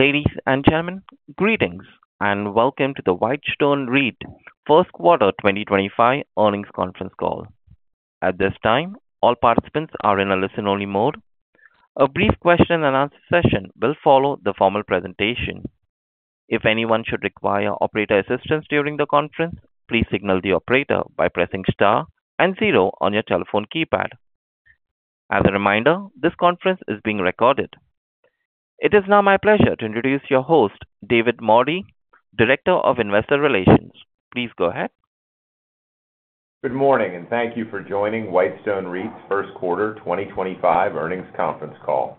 Ladies and gentlemen, greetings and welcome to the Whitestone REIT First Quarter 2025 Earnings Conference Call. At this time, all participants are in a listen-only mode. A brief question-and-answer session will follow the formal presentation. If anyone should require operator assistance during the conference, please signal the operator by pressing Star and Zero on your telephone keypad. As a reminder, this conference is being recorded. It is now my pleasure to introduce your host, David Mordy, Director of Investor Relations. Please go ahead. Good morning, and thank you for joining Whitestone REIT's First Quarter 2025 Earnings Conference Call.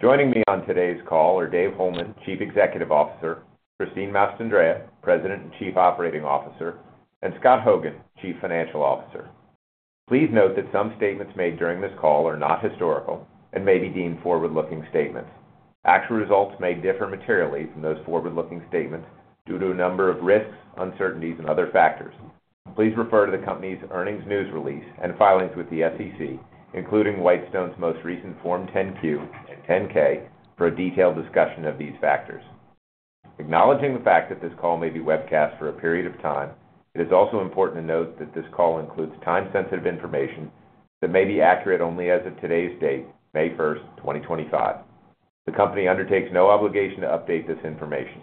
Joining me on today's call are Dave Holeman, Chief Executive Officer; Christine Mastandrea, President and Chief Operating Officer; and Scott Hogan, Chief Financial Officer. Please note that some statements made during this call are not historical and may be deemed forward-looking statements. Actual results may differ materially from those forward-looking statements due to a number of risks, uncertainties, and other factors. Please refer to the company's earnings news release and filings with the SEC, including Whitestone's most recent Form 10-Q and 10-K, for a detailed discussion of these factors. Acknowledging the fact that this call may be webcast for a period of time, it is also important to note that this call includes time-sensitive information that may be accurate only as of today's date, May 1, 2025. The company undertakes no obligation to update this information.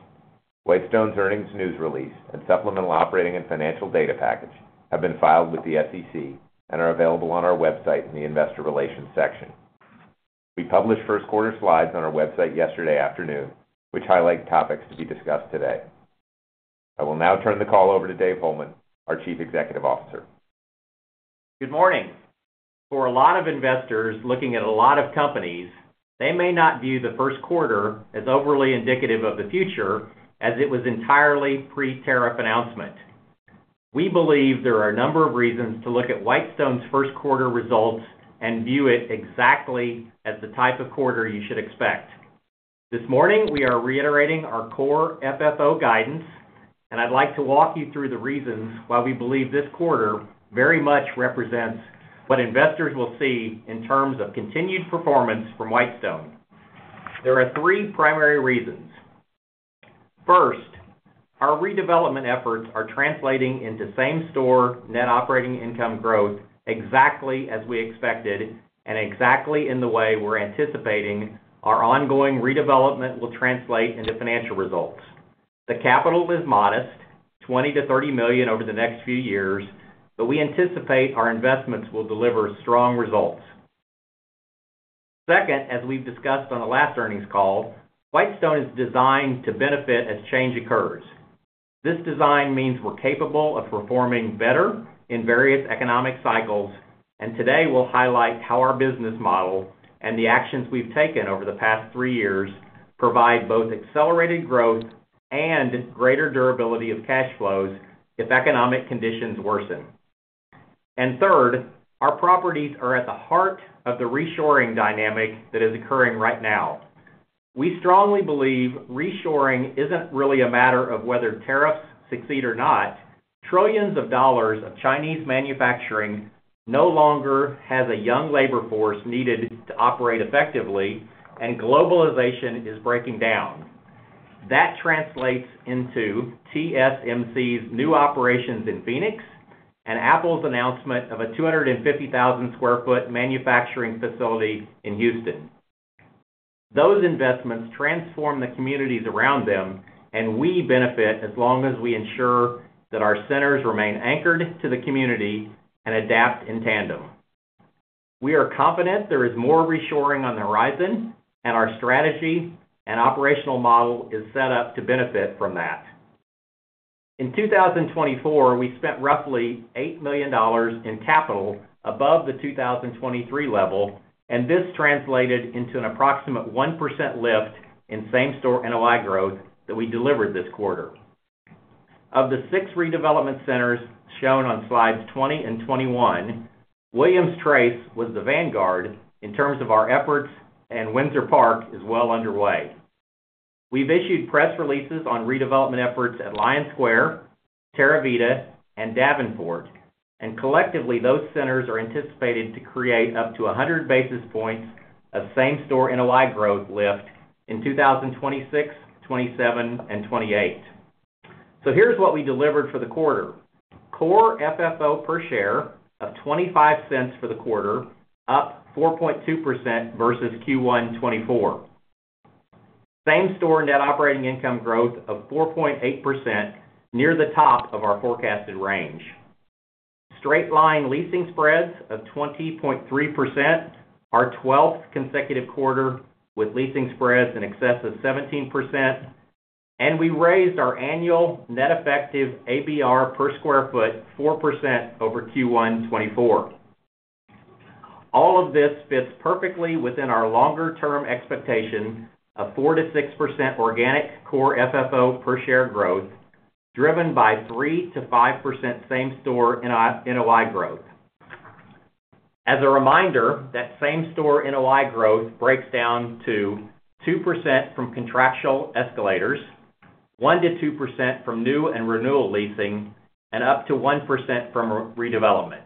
Whitestone's earnings news release and supplemental operating and financial data package have been filed with the SEC and are available on our website in the Investor Relations section. We published first-quarter slides on our website yesterday afternoon, which highlight topics to be discussed today. I will now turn the call over to Dave Holeman, our Chief Executive Officer. Good morning. For a lot of investors looking at a lot of companies, they may not view the first quarter as overly indicative of the future as it was entirely pre-tariff announcement. We believe there are a number of reasons to look at Whitestone's first-quarter results and view it exactly as the type of quarter you should expect. This morning, we are reiterating our core FFO guidance, and I'd like to walk you through the reasons why we believe this quarter very much represents what investors will see in terms of continued performance from Whitestone. There are three primary reasons. First, our redevelopment efforts are translating into same-store net operating income growth exactly as we expected and exactly in the way we're anticipating our ongoing redevelopment will translate into financial results. The capital is modest, $20 million-$30 million over the next few years, but we anticipate our investments will deliver strong results. Second, as we've discussed on the last earnings call, Whitestone is designed to benefit as change occurs. This design means we're capable of performing better in various economic cycles, and today we'll highlight how our business model and the actions we've taken over the past three years provide both accelerated growth and greater durability of cash flows if economic conditions worsen. Third, our properties are at the heart of the reshoring dynamic that is occurring right now. We strongly believe reshoring isn't really a matter of whether tariffs succeed or not. Trillions of dollars of Chinese manufacturing no longer has a young labor force needed to operate effectively, and globalization is breaking down. That translates into TSMC's new operations in Phoenix and Apple's announcement of a 250,000 sq ft manufacturing facility in Houston. Those investments transform the communities around them, and we benefit as long as we ensure that our centers remain anchored to the community and adapt in tandem. We are confident there is more reshoring on the horizon, and our strategy and operational model is set up to benefit from that. In 2024, we spent roughly $8 million in capital above the 2023 level, and this translated into an approximate 1% lift in same-store NOI growth that we delivered this quarter. Of the six redevelopment centers shown on slides 20 and 21, Williams Trace was the vanguard in terms of our efforts, and Windsor Park is well underway. have issued press releases on redevelopment efforts at Lion Square, Terravita, and Davenport, and collectively, those centers are anticipated to create up to 100 basis points of same-store NOI growth lift in 2026, 2027, and 2028. Here is what we delivered for the quarter: core FFO per share of $0.25 for the quarter, up 4.2% versus Q1 2024. Same-store net operating income growth of 4.8%, near the top of our forecasted range. Straight-line leasing spreads of 20.3%, our 12th consecutive quarter with leasing spreads in excess of 17%, and we raised our annual net effective ABR per square foot 4% over Q1 2024. All of this fits perfectly within our longer-term expectation of 4-6% organic core FFO per share growth, driven by 3-5% same-store NOI growth. As a reminder, that same-store NOI growth breaks down to 2% from contractual escalators, 1-2% from new and renewal leasing, and up to 1% from redevelopment.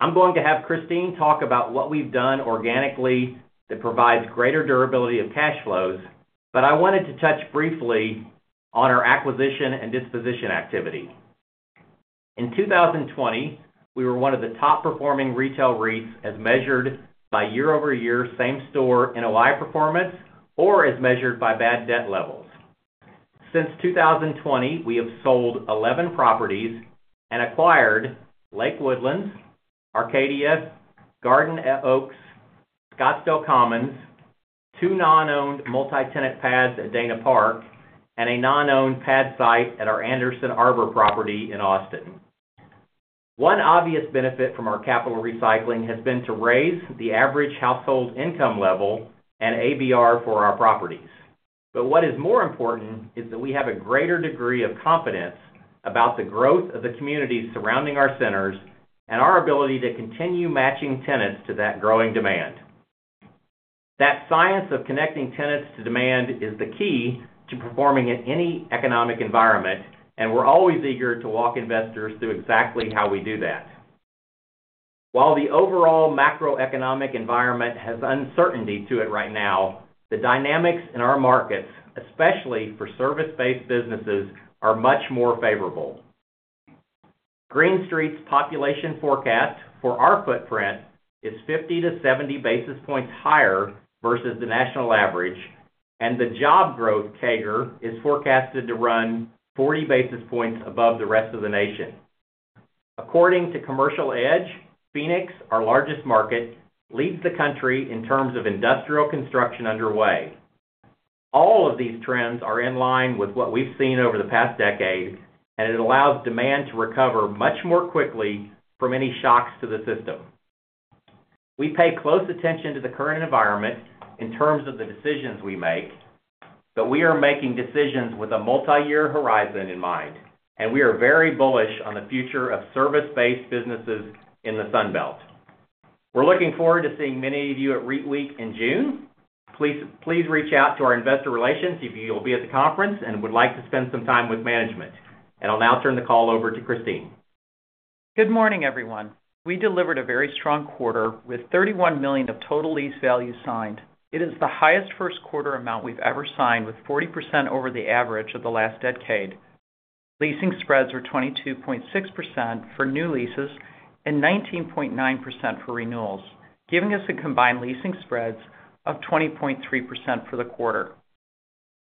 I'm going to have Christine talk about what we've done organically that provides greater durability of cash flows, but I wanted to touch briefly on our acquisition and disposition activity. In 2020, we were one of the top-performing retail REITs as measured by year-over-year same-store NOI performance or as measured by bad debt levels. Since 2020, we have sold 11 properties and acquired Lake Woodlands, Arcadia, Garden Oaks, Scottsdale Commons, two non-owned multi-tenant pads at Dana Park, and a non-owned pad site at our Anderson Arbor property in Austin. One obvious benefit from our capital recycling has been to raise the average household income level and ABR for our properties. What is more important is that we have a greater degree of confidence about the growth of the communities surrounding our centers and our ability to continue matching tenants to that growing demand. That science of connecting tenants to demand is the key to performing in any economic environment, and we're always eager to walk investors through exactly how we do that. While the overall macroeconomic environment has uncertainty to it right now, the dynamics in our markets, especially for service-based businesses, are much more favorable. Green Street's population forecast for our footprint is 50-70 basis points higher versus the national average, and the job growth CAGR is forecasted to run 40 basis points above the rest of the nation. According to Commercial Edge, Phoenix, our largest market, leads the country in terms of industrial construction underway. All of these trends are in line with what we've seen over the past decade, and it allows demand to recover much more quickly from any shocks to the system. We pay close attention to the current environment in terms of the decisions we make, but we are making decisions with a multi-year horizon in mind, and we are very bullish on the future of service-based businesses in the Sunbelt. We are looking forward to seeing many of you at REIT Week in June. Please reach out to our investor relations if you'll be at the conference and would like to spend some time with management. I'll now turn the call over to Christine. Good morning, everyone. We delivered a very strong quarter with $31 million of total lease values signed. It is the highest first-quarter amount we've ever signed with 40% over the average of the last decade. Leasing spreads were 22.6% for new leases and 19.9% for renewals, giving us a combined leasing spreads of 20.3% for the quarter.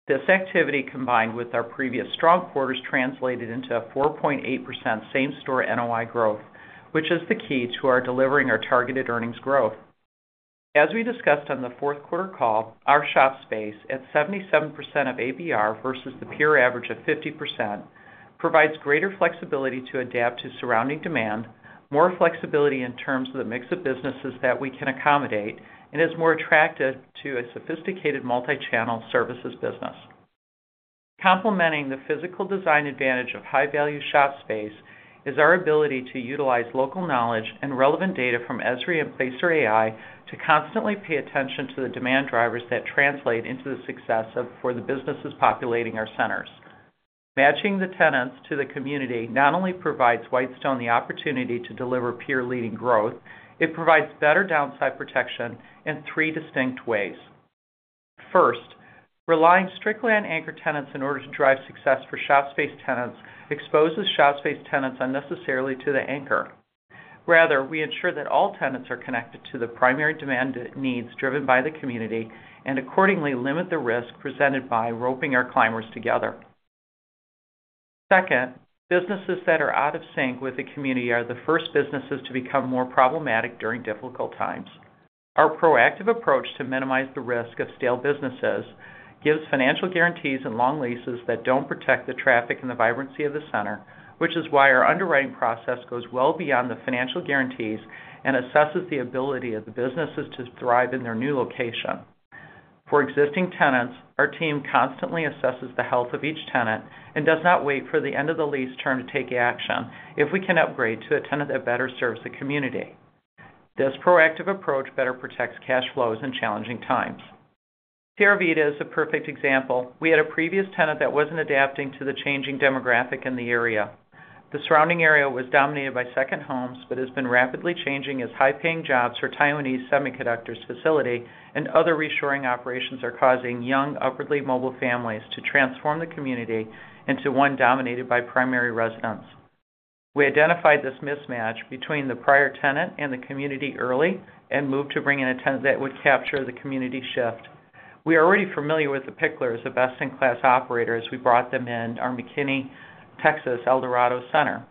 This activity, combined with our previous strong quarters, translated into a 4.8% same-store NOI growth, which is the key to our delivering our targeted earnings growth. As we discussed on the fourth-quarter call, our shop space at 77% of ABR versus the peer average of 50% provides greater flexibility to adapt to surrounding demand, more flexibility in terms of the mix of businesses that we can accommodate, and is more attractive to a sophisticated multi-channel services business. Complementing the physical design advantage of high-value shop space is our ability to utilize local knowledge and relevant data from Esri and Placer.ai to constantly pay attention to the demand drivers that translate into the success for the businesses populating our centers. Matching the tenants to the community not only provides Whitestone the opportunity to deliver peer-leading growth, it provides better downside protection in three distinct ways. First, relying strictly on anchor tenants in order to drive success for shop space tenants exposes shop space tenants unnecessarily to the anchor. Rather, we ensure that all tenants are connected to the primary demand needs driven by the community and accordingly limit the risk presented by roping our climbers together. Second, businesses that are out of sync with the community are the first businesses to become more problematic during difficult times. Our proactive approach to minimize the risk of stale businesses gives financial guarantees and long leases that do not protect the traffic and the vibrancy of the center, which is why our underwriting process goes well beyond the financial guarantees and assesses the ability of the businesses to thrive in their new location. For existing tenants, our team constantly assesses the health of each tenant and does not wait for the end of the lease term to take action if we can upgrade to a tenant that better serves the community. This proactive approach better protects cash flows in challenging times. Terravita is a perfect example. We had a previous tenant that was not adapting to the changing demographic in the area. The surrounding area was dominated by second homes but has been rapidly changing as high-paying jobs for Taiwanese semiconductors facility and other reshoring operations are causing young upwardly mobile families to transform the community into one dominated by primary residents. We identified this mismatch between the prior tenant and the community early and moved to bring in a tenant that would capture the community shift. We are already familiar with The Picklrs of best-in-class operators we brought them in our McKinney, Texas, Eldorado center.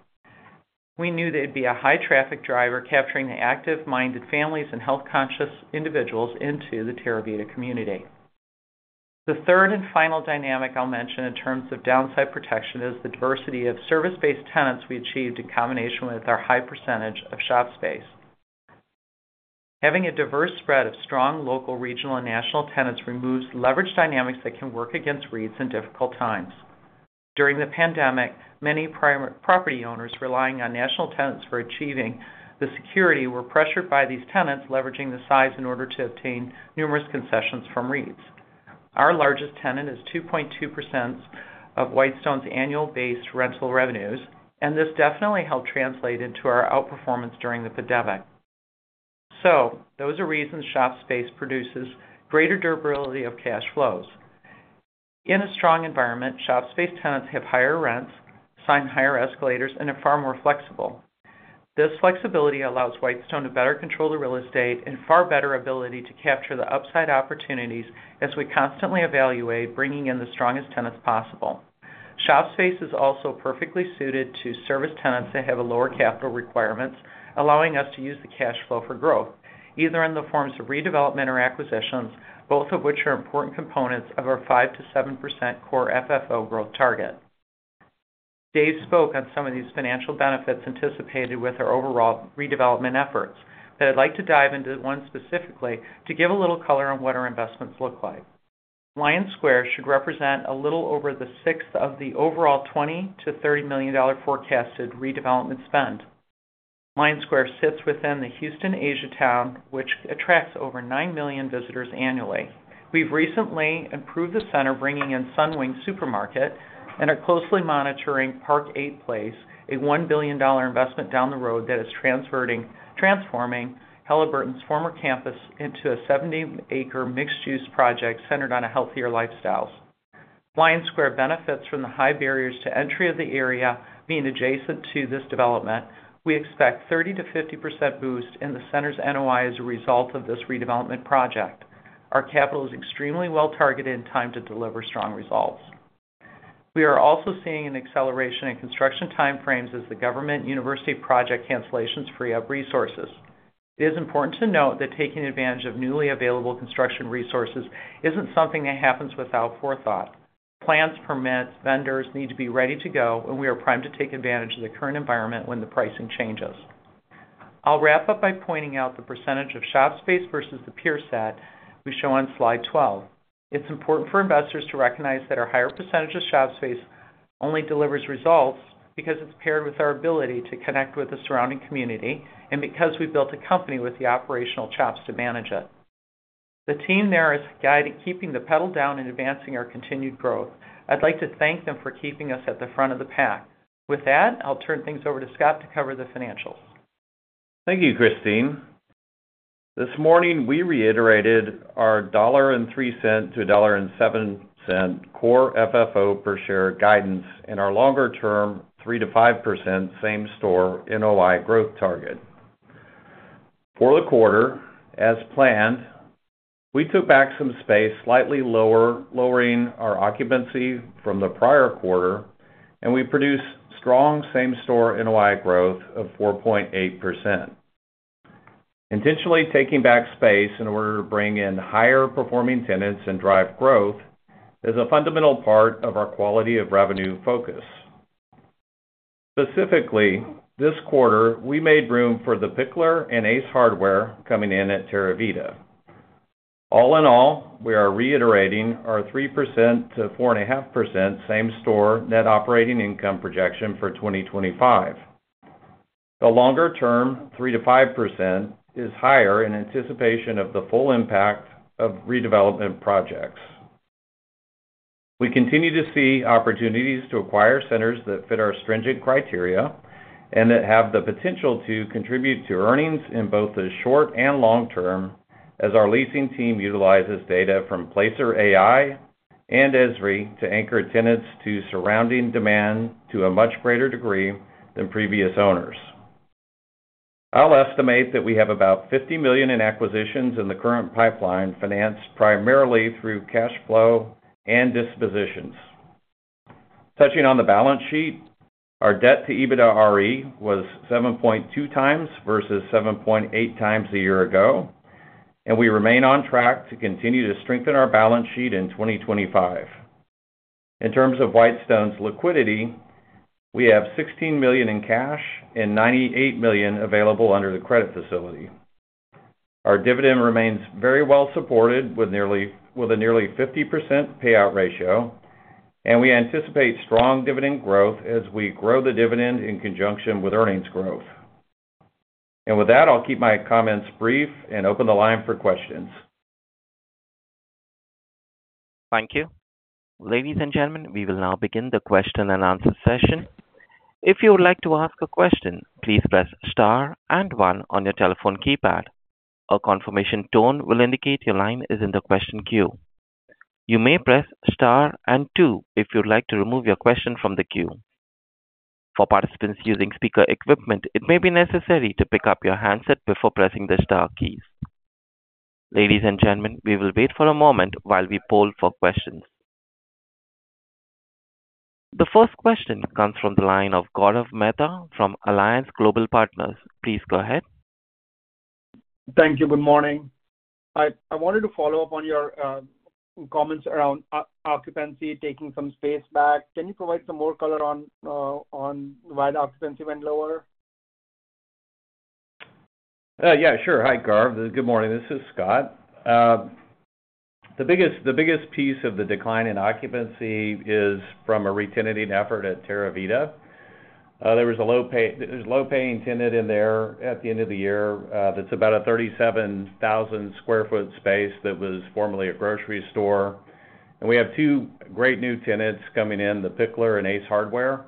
We knew they'd be a high-traffic driver capturing the active-minded families and health-conscious individuals into the Terravita community. The third and final dynamic I'll mention in terms of downside protection is the diversity of service-based tenants we achieved in combination with our high percentage of shop space. Having a diverse spread of strong local, regional, and national tenants removes leverage dynamics that can work against REITs in difficult times. During the pandemic, many property owners relying on national tenants for achieving the security were pressured by these tenants leveraging the size in order to obtain numerous concessions from REITs. Our largest tenant is 2.2% of Whitestone's annual-based rental revenues, and this definitely helped translate into our outperformance during the pandemic. Those are reasons shop space produces greater durability of cash flows. In a strong environment, shop space tenants have higher rents, sign higher escalators, and are far more flexible. This flexibility allows Whitestone to better control the real estate and far better ability to capture the upside opportunities as we constantly evaluate bringing in the strongest tenants possible. Shop space is also perfectly suited to service tenants that have lower capital requirements, allowing us to use the cash flow for growth, either in the forms of redevelopment or acquisitions, both of which are important components of our 5-7% core FFO growth target. Dave spoke on some of these financial benefits anticipated with our overall redevelopment efforts, but I'd like to dive into one specifically to give a little color on what our investments look like. Lion Square should represent a little over a sixth of the overall $20-$30 million forecasted redevelopment spend. Lion Square sits within the Houston Asia Town, which attracts over 9 million visitors annually. We've recently improved the center bringing in Sunwing Supermarket and are closely monitoring Park 8 Place, a $1 billion investment down the road that is transforming Halliburton's former campus into a 70-acre mixed-use project centered on healthier lifestyles. Lion Square benefits from the high barriers to entry of the area being adjacent to this development. We expect a 30%-50% boost in the center's NOI as a result of this redevelopment project. Our capital is extremely well targeted in time to deliver strong results. We are also seeing an acceleration in construction timeframes as the government university project cancellations free up resources. It is important to note that taking advantage of newly available construction resources isn't something that happens without forethought. Plans, permits, vendors need to be ready to go, and we are primed to take advantage of the current environment when the pricing changes. I'll wrap up by pointing out the percentage of shop space versus the pure set we show on slide 12. It's important for investors to recognize that our higher percentage of shop space only delivers results because it's paired with our ability to connect with the surrounding community and because we built a company with the operational chops to manage it. The team there is keeping the pedal down and advancing our continued growth. I'd like to thank them for keeping us at the front of the pack. With that, I'll turn things over to Scott to cover the financials. Thank you, Christine. This morning, we reiterated our $1.03-$1.07 core FFO per share guidance and our longer-term 3-5% same-store NOI growth target. For the quarter, as planned, we took back some space slightly lower, lowering our occupancy from the prior quarter, and we produced strong same-store NOI growth of 4.8%. Intentionally taking back space in order to bring in higher-performing tenants and drive growth is a fundamental part of our quality of revenue focus. Specifically, this quarter, we made room for The Picklr and Ace Hardware coming in at Terravita. All in all, we are reiterating our 3-4.5% same-store net operating income projection for 2025. The longer-term 3-5% is higher in anticipation of the full impact of redevelopment projects. We continue to see opportunities to acquire centers that fit our stringent criteria and that have the potential to contribute to earnings in both the short and long term as our leasing team utilizes data from Placer.ai and Esri to anchor tenants to surrounding demand to a much greater degree than previous owners. I'll estimate that we have about $50 million in acquisitions in the current pipeline financed primarily through cash flow and dispositions. Touching on the balance sheet, our debt to EBITDA was 7.2 times versus 7.8 times a year ago, and we remain on track to continue to strengthen our balance sheet in 2025. In terms of Whitestone's liquidity, we have $16 million in cash and $98 million available under the credit facility. Our dividend remains very well supported with a nearly 50% payout ratio, and we anticipate strong dividend growth as we grow the dividend in conjunction with earnings growth. With that, I'll keep my comments brief and open the line for questions. Thank you. Ladies and gentlemen, we will now begin the question and answer session. If you would like to ask a question, please press star and one on your telephone keypad. A confirmation tone will indicate your line is in the question queue. You may press star and two if you'd like to remove your question from the queue. For participants using speaker equipment, it may be necessary to pick up your handset before pressing the star keys. Ladies and gentlemen, we will wait for a moment while we poll for questions. The first question comes from the line of Gaurav Mehta from Alliance Global Partners. Please go ahead. Thank you. Good morning. I wanted to follow up on your comments around occupancy taking some space back. Can you provide some more color on why the occupancy went lower? Yeah, sure. Hi, Gaurav. Good morning. This is Scott. The biggest piece of the decline in occupancy is from a retaining effort at Terravita. There was a low-paying tenant in there at the end of the year. That's about a 37,000 sq ft space that was formerly a grocery store. We have two great new tenants coming in, The Picklr and Ace Hardware.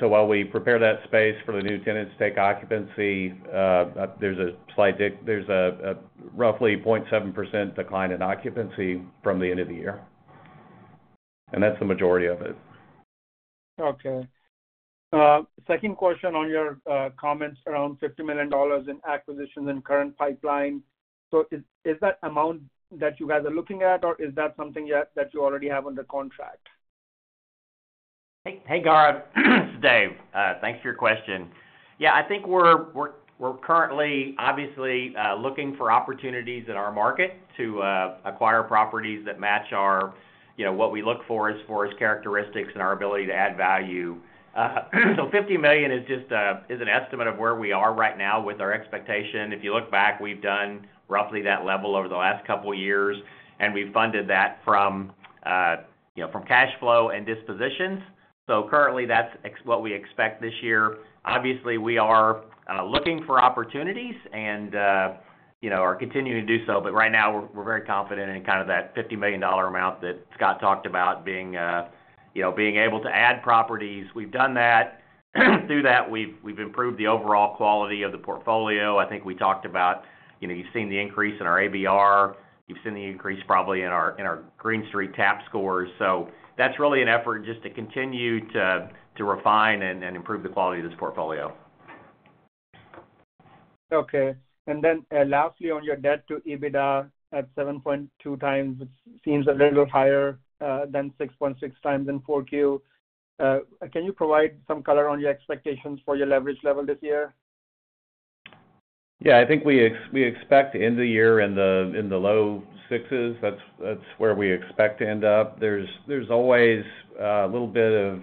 While we prepare that space for the new tenants to take occupancy, there's a roughly 0.7% decline in occupancy from the end of the year. That's the majority of it. Okay. Second question on your comments around $50 million in acquisitions in current pipeline. Is that amount that you guys are looking at, or is that something that you already have under contract? Hey, Gaurav. It's Dave. Thanks for your question. Yeah, I think we're currently obviously looking for opportunities in our market to acquire properties that match what we look for as far as characteristics and our ability to add value. $50 million is an estimate of where we are right now with our expectation. If you look back, we've done roughly that level over the last couple of years, and we've funded that from cash flow and dispositions. Currently, that's what we expect this year. Obviously, we are looking for opportunities and are continuing to do so, but right now, we're very confident in kind of that $50 million amount that Scott talked about being able to add properties. We've done that. Through that, we've improved the overall quality of the portfolio. I think we talked about you've seen the increase in our ABR. You've seen the increase probably in our Green Street TAP scores. That is really an effort just to continue to refine and improve the quality of this portfolio. Okay. Lastly, on your debt to EBITDA at 7.2 times, which seems a little higher than 6.6 times in Q4, can you provide some color on your expectations for your leverage level this year? Yeah. I think we expect to end the year in the low 6s. That's where we expect to end up. There's always a little bit of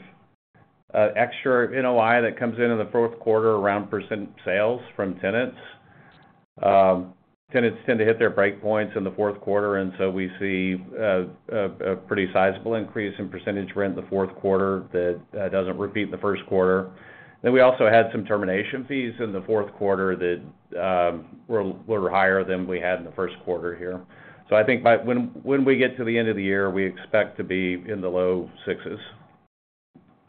extra NOI that comes in in the fourth quarter around % sales from tenants. Tenants tend to hit their breakpoints in the fourth quarter, and we see a pretty sizable increase in % rent in the fourth quarter that doesn't repeat in the first quarter. We also had some termination fees in the fourth quarter that were higher than we had in the first quarter here. I think when we get to the end of the year, we expect to be in the low 6s.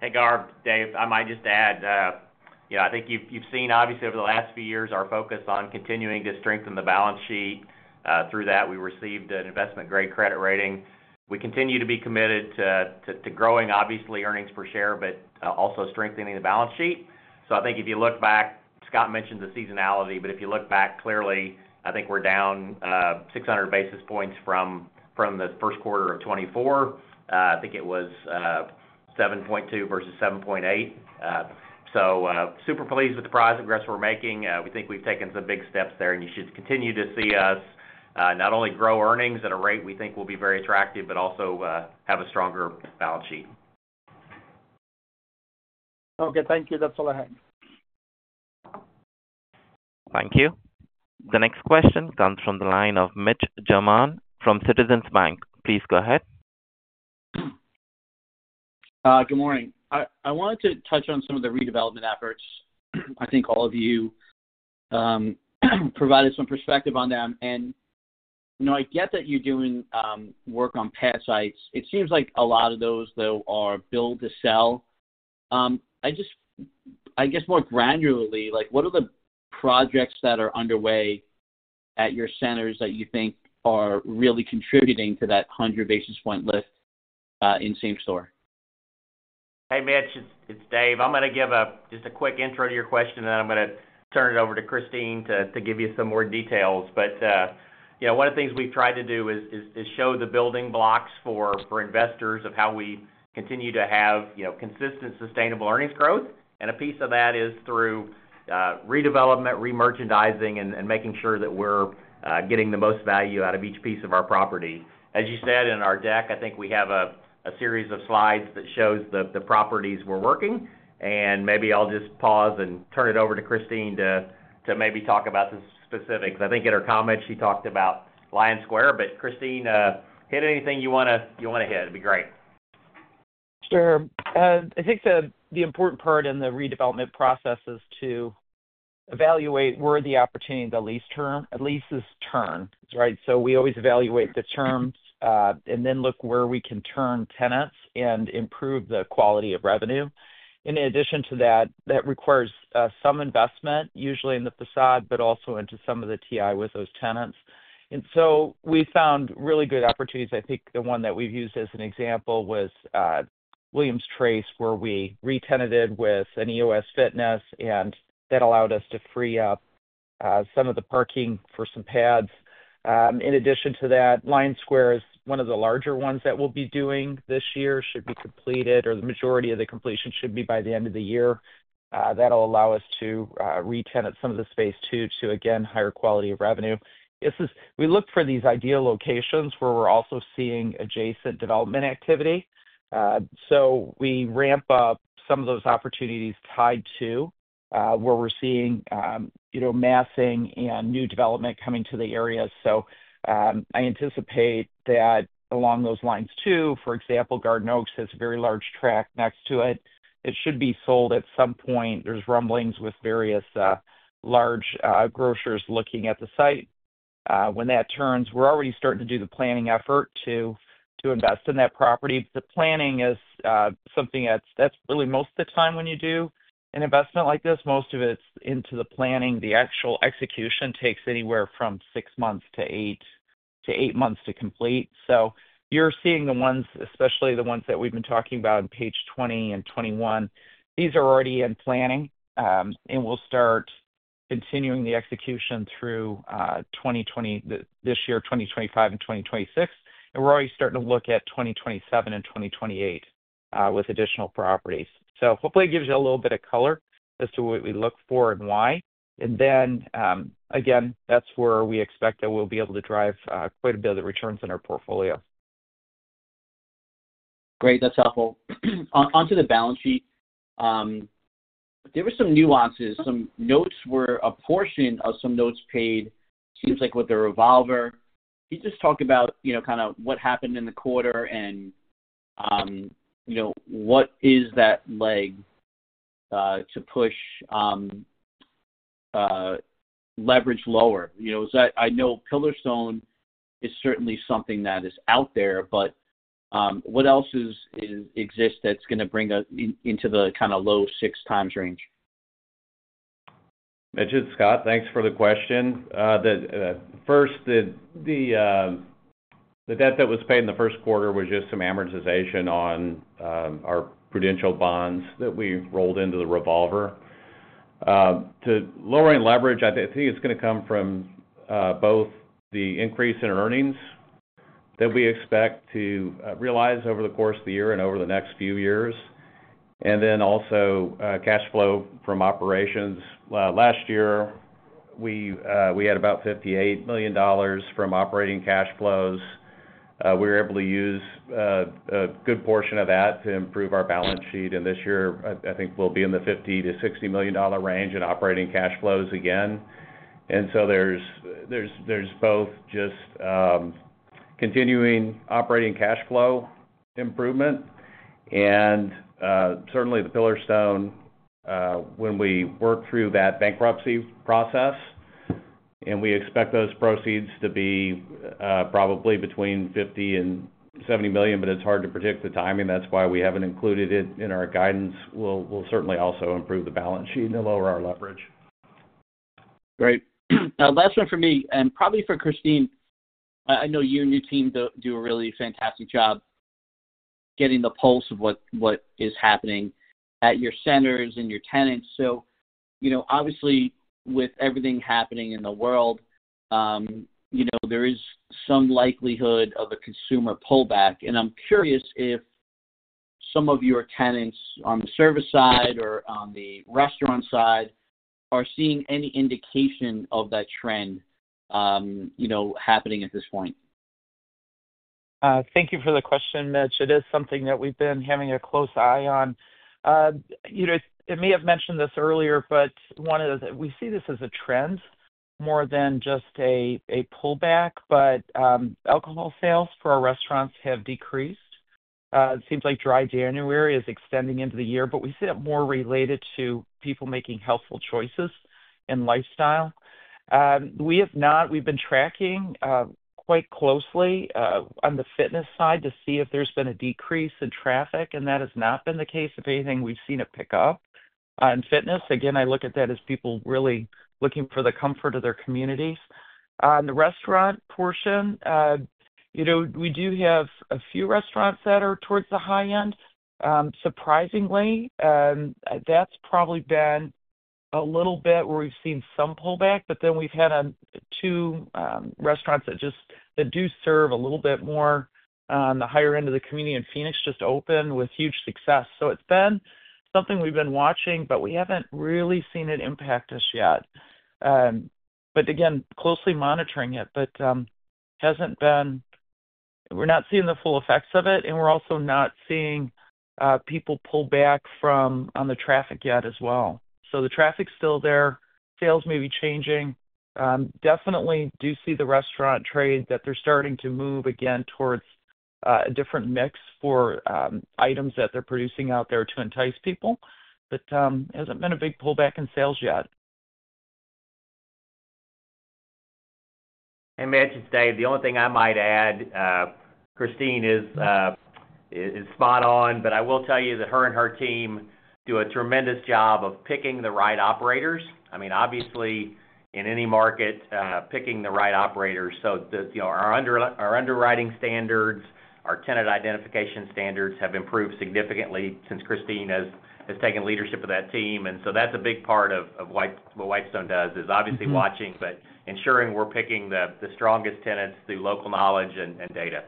Hey, Gaurav. Dave, I might just add, I think you've seen, obviously, over the last few years, our focus on continuing to strengthen the balance sheet. Through that, we received an investment-grade credit rating. We continue to be committed to growing, obviously, earnings per share, but also strengthening the balance sheet. I think if you look back, Scott mentioned the seasonality, but if you look back clearly, I think we're down 600 basis points from the first quarter of 2024. I think it was 7.2% versus 7.8%. Super pleased with the progress we're making. We think we've taken some big steps there, and you should continue to see us not only grow earnings at a rate we think will be very attractive, but also have a stronger balance sheet. Okay. Thank you. That's all I had. Thank you. The next question comes from the line of Mitch Germain from Citizens Capital Markets. Please go ahead. Good morning. I wanted to touch on some of the redevelopment efforts. I think all of you provided some perspective on them. I get that you're doing work on pet sites. It seems like a lot of those, though, are build-to-sell. I guess more granularly, what are the projects that are underway at your centers that you think are really contributing to that 100 basis point lift in same store? Hey, Mitch. It's Dave. I'm going to give just a quick intro to your question, and then I'm going to turn it over to Christine to give you some more details. One of the things we've tried to do is show the building blocks for investors of how we continue to have consistent, sustainable earnings growth. A piece of that is through redevelopment, re-merchandising, and making sure that we're getting the most value out of each piece of our property. As you said in our deck, I think we have a series of slides that shows the properties we're working. Maybe I'll just pause and turn it over to Christine to maybe talk about the specifics. I think in her comment, she talked about Lion Square, but Christine, hit anything you want to hit. It'd be great. Sure. I think the important part in the redevelopment process is to evaluate where the opportunity in the lease term at least is turned, right? We always evaluate the terms and then look where we can turn tenants and improve the quality of revenue. In addition to that, that requires some investment, usually in the facade, but also into some of the TI with those tenants. We found really good opportunities. I think the one that we've used as an example was Williams Trace, where we retained it with an EoS Fitness, and that allowed us to free up some of the parking for some pads. In addition to that, Lion Square is one of the larger ones that we'll be doing this year. It should be completed, or the majority of the completion should be by the end of the year. That'll allow us to retain some of the space too, to again, higher quality of revenue. We look for these ideal locations where we're also seeing adjacent development activity. We ramp up some of those opportunities tied to where we're seeing massing and new development coming to the area. I anticipate that along those lines too. For example, Garden Oaks has a very large tract next to it. It should be sold at some point. There's rumblings with various large grocers looking at the site. When that turns, we're already starting to do the planning effort to invest in that property. The planning is something that's really most of the time when you do an investment like this, most of it's into the planning. The actual execution takes anywhere from six months to eight months to complete. You're seeing the ones, especially the ones that we've been talking about on page 20 and 21. These are already in planning, and we'll start continuing the execution through this year, 2025 and 2026. We're already starting to look at 2027 and 2028 with additional properties. Hopefully, it gives you a little bit of color as to what we look for and why. Again, that's where we expect that we'll be able to drive quite a bit of the returns in our portfolio. Great. That's helpful. Onto the balance sheet, there were some nuances. Some notes were a portion of some notes paid, seems like with the revolver. Can you just talk about kind of what happened in the quarter and what is that leg to push leverage lower? I know Pillarstone is certainly something that is out there, but what else exists that's going to bring us into the kind of low 6 times range? Mitchell, Scott, thanks for the question. First, the debt that was paid in the first quarter was just some amortization on our Prudential bonds that we rolled into the revolver. To lowering leverage, I think it's going to come from both the increase in earnings that we expect to realize over the course of the year and over the next few years, and then also cash flow from operations. Last year, we had about $58 million from operating cash flows. We were able to use a good portion of that to improve our balance sheet. This year, I think we'll be in the $50-$60 million range in operating cash flows again. There is both just continuing operating cash flow improvement and certainly the Pillarstone when we work through that bankruptcy process. We expect those proceeds to be probably between $50 million and $70 million, but it's hard to predict the timing. That's why we haven't included it in our guidance. We'll certainly also improve the balance sheet and lower our leverage. Great. Last one for me and probably for Christine. I know you and your team do a really fantastic job getting the pulse of what is happening at your centers and your tenants. Obviously, with everything happening in the world, there is some likelihood of a consumer pullback. I'm curious if some of your tenants on the service side or on the restaurant side are seeing any indication of that trend happening at this point. Thank you for the question, Mitch. It is something that we've been having a close eye on. You know, I may have mentioned this earlier, but we see this as a trend more than just a pullback. Alcohol sales for our restaurants have decreased. It seems like dry January is extending into the year, but we see it more related to people making healthful choices in lifestyle. We have not. We've been tracking quite closely on the fitness side to see if there's been a decrease in traffic, and that has not been the case. If anything, we've seen it pick up on fitness. Again, I look at that as people really looking for the comfort of their communities. On the restaurant portion, we do have a few restaurants that are towards the high end. Surprisingly, that's probably been a little bit where we've seen some pullback, but then we've had two restaurants that do serve a little bit more on the higher end of the community in Phoenix just open with huge success. It has been something we've been watching, but we haven't really seen it impact us yet. Again, closely monitoring it, but we're not seeing the full effects of it, and we're also not seeing people pull back from on the traffic yet as well. The traffic's still there. Sales may be changing. Definitely do see the restaurant trade that they're starting to move again towards a different mix for items that they're producing out there to entice people, but it hasn't been a big pullback in sales yet. Hey, Mitch. Dave, the only thing I might add, Christine is spot on, but I will tell you that her and her team do a tremendous job of picking the right operators. I mean, obviously, in any market, picking the right operators. Our underwriting standards, our tenant identification standards have improved significantly since Christine has taken leadership of that team. That is a big part of what Whitestone does, obviously watching, but ensuring we're picking the strongest tenants through local knowledge and data.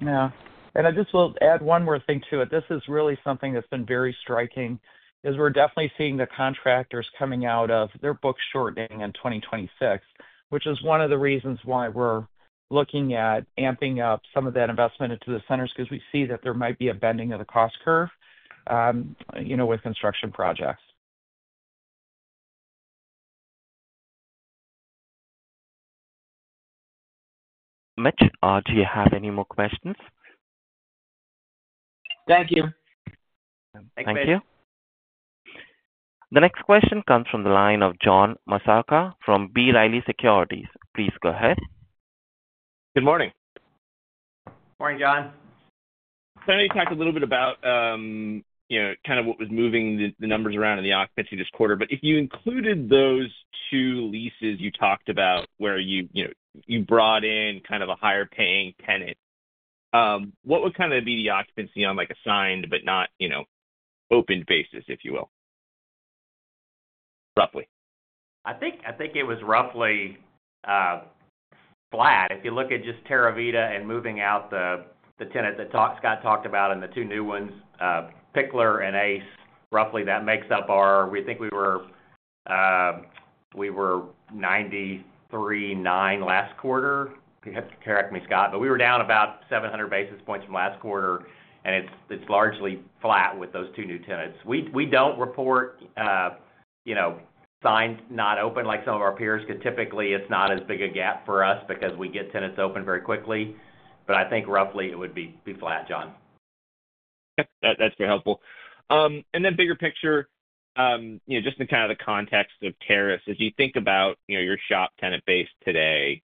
Yeah. I just will add one more thing to it. This is really something that's been very striking. We're definitely seeing the contractors coming out of their books shortening in 2026, which is one of the reasons why we're looking at amping up some of that investment into the centers because we see that there might be a bending of the cost curve with construction projects. Mitch, do you have any more questions? Thank you. Thank you. The next question comes from the line of John Massocca from B. Riley Securities. Please go ahead. Good morning. Morning, John. I thought you talked a little bit about kind of what was moving the numbers around in the occupancy this quarter. If you included those two leases you talked about where you brought in kind of a higher-paying tenant, what would kind of be the occupancy on assigned but not open basis, if you will, roughly? I think it was roughly flat. If you look at just Terravita and moving out the tenant that Scott talked about and the two new ones, The Picklr and Ace, roughly that makes up our—we think we were 93.9 last quarter. Correct me, Scott. We were down about 700 basis points from last quarter, and it's largely flat with those two new tenants. We do not report signed not open like some of our peers because typically it is not as big a gap for us because we get tenants open very quickly. I think roughly it would be flat, John. Okay. That's very helpful. In the bigger picture, just in kind of the context of terrace, as you think about your shop tenant base today,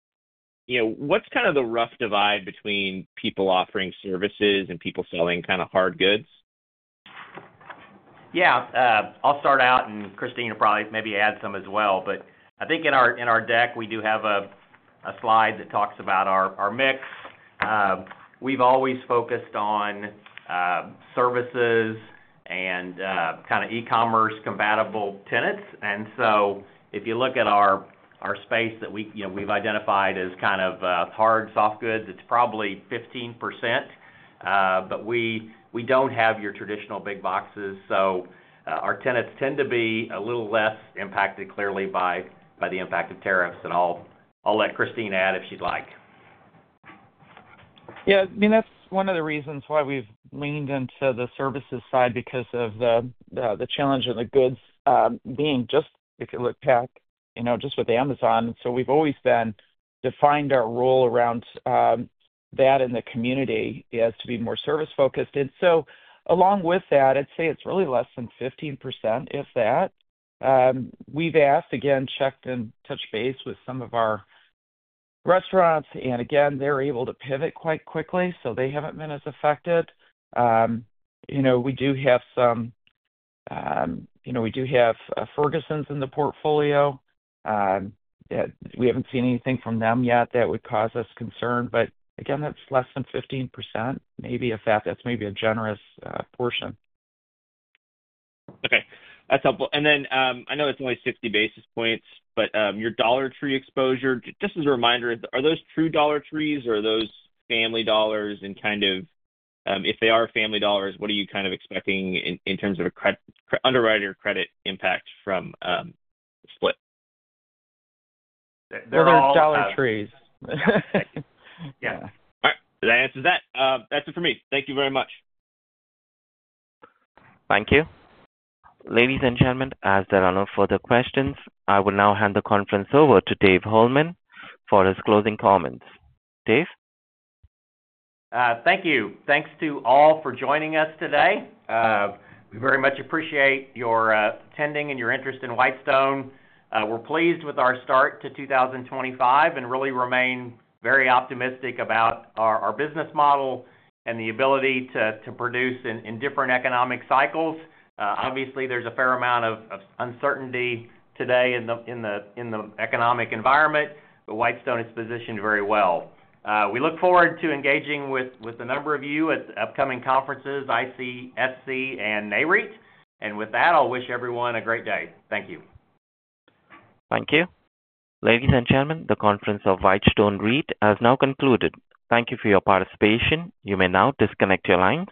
what's kind of the rough divide between people offering services and people selling kind of hard goods? Yeah. I'll start out, and Christine will probably maybe add some as well. I think in our deck, we do have a slide that talks about our mix. We've always focused on services and kind of e-commerce compatible tenants. If you look at our space that we've identified as kind of hard soft goods, it's probably 15%, but we don't have your traditional big boxes. Our tenants tend to be a little less impacted clearly by the impact of tariffs. I'll let Christine add if she'd like. Yeah. I mean, that's one of the reasons why we've leaned into the services side because of the challenge of the goods being just—if you look back, just with Amazon. We've always defined our role around that in the community as to be more service-focused. Along with that, I'd say it's really less than 15%, if that. We've asked, again, checked and touched base with some of our restaurants, and again, they're able to pivot quite quickly, so they haven't been as affected. We do have some—we do have Ferguson Enterprises in the portfolio. We haven't seen anything from them yet that would cause us concern. Again, that's less than 15%, maybe, if that's maybe a generous portion. Okay. That's helpful. I know it's only 60 basis points, but your Dollar Tree exposure, just as a reminder, are those true Dollar Trees or are those Family Dollars? If they are Family Dollars, what are you expecting in terms of an underwriter credit impact from the split? They're all Dollar Trees. Yeah. All right. That answers that. That's it for me. Thank you very much. Thank you. Ladies and gentlemen, as there are no further questions, I will now hand the conference over to Dave Holeman for his closing comments. Dave? Thank you. Thanks to all for joining us today. We very much appreciate your attending and your interest in Whitestone. We're pleased with our start to 2025 and really remain very optimistic about our business model and the ability to produce in different economic cycles. Obviously, there's a fair amount of uncertainty today in the economic environment, but Whitestone is positioned very well. We look forward to engaging with a number of you at upcoming conferences, ICSC, and NAREIT. With that, I'll wish everyone a great day. Thank you. Thank you. Ladies and gentlemen, the conference of Whitestone REIT has now concluded. Thank you for your participation. You may now disconnect your line.